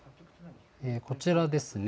こちらですね。